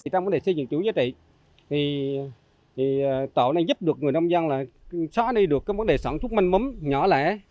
trong vấn đề xây dựng chuỗi giá trị tạo nên giúp được người nông dân xóa đi được vấn đề sản xuất manh mấm nhỏ lẻ